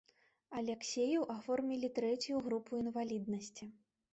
Аляксею аформілі трэцюю групу інваліднасці.